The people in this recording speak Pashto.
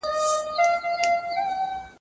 هغه وويل چي ليکنې ضروري دي!؟